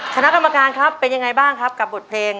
คณะกรรมการครับเป็นยังไงบ้างครับกับบทเพลง